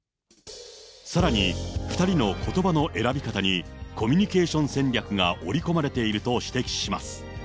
さらに、２人のことばの選び方に、コミュニケーション戦略が織り込まれていると指摘します。